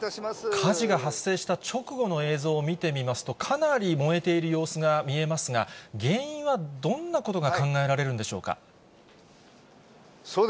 火事が発生した直後の映像を見てみますと、かなり燃えている様子が見えますが、原因はどんなことが考えられるんでしょうか。